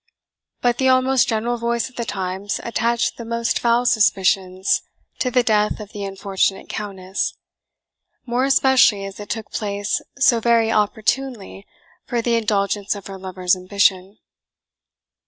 But the almost general voice of the times attached the most foul suspicions to the death of the unfortunate Countess, more especially as it took place so very opportunely for the indulgence of her lover's ambition.